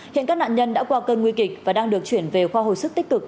hiện các nạn nhân đã qua cơn nguy kịch và đang được chuyển về khoa hồi sức tích cực